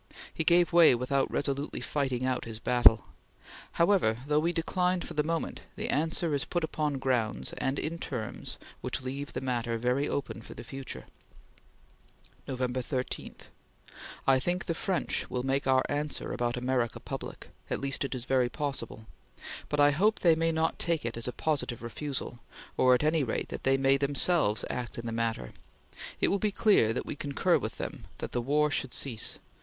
He gave way without resolutely fighting out his battle. However, though we decline for the moment, the answer is put upon grounds and in terms which leave the matter very open for the future. Nov. 13. I think the French will make our answer about America public; at least it is very possible. But I hope they may not take it as a positive refusal, or at any rate that they may themselves act in the matter. It will be clear that we concur with them, that the war should cease.